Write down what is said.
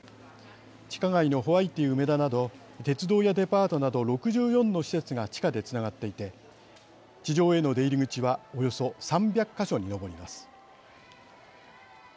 地下街のホワイティ梅田など鉄道やデパートなど６４の施設が地下でつながっていて地上への出入り口はおよそ３００か所に上ります。